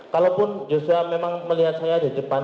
kalaupun joshua memang melihat saya di depan